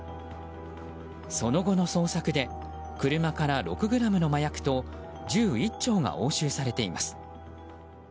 その後の捜索で車から６ｇの麻薬と銃１丁が押収されています。